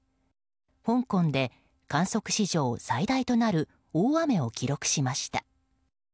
香港で観測史上最大となる大雨を記録しました。